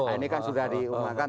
ini kan sudah diumumkan